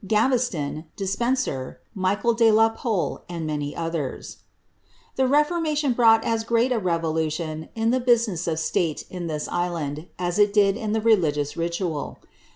Gaveslon, Despenser, Ulichaei oe ,..,«,<■, and many olhcT^, The lieformaiion brought as great a revoluiion in the business of state in this island, as it did in ihe religious ritual.